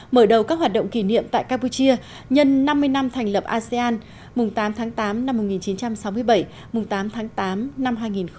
mở đầu các hoạt động kỷ niệm tại campuchia nhân năm mươi năm thành lập asean tám tháng tám năm một nghìn chín trăm sáu mươi bảy